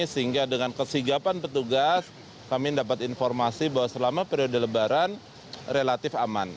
sehingga dengan kesigapan petugas kami dapat informasi bahwa selama periode lebaran relatif aman